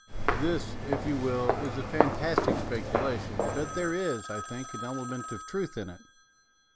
This, if you will, is a fantastic specula tion, but there is, I think, an element of truth in it.